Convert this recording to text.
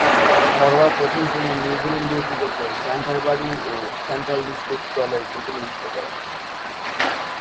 ঘরোয়া প্রথম-শ্রেণীর নিউজিল্যান্ডীয় ক্রিকেটে ক্যান্টারবারি ও সেন্ট্রাল ডিস্ট্রিক্টস দলের প্রতিনিধিত্ব করেন।